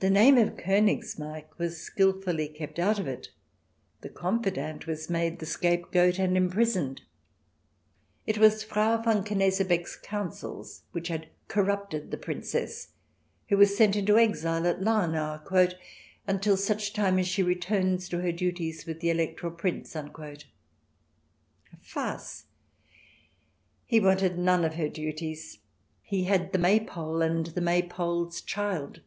The name of Konigsmarck was skilfully kept out of it, the confidante was made the scapegoat and imprisoned. It was Frau von Knesebeck's counsels which had corrupted the Princess, who was sent into exile at Lauennau "until such time as she returns to her duties with the Electoral Prince." A farce I he wanted none of her duties; he had the Maypole CH. xvii] QUEENS DISCROWNED 235 and the Maypole's child.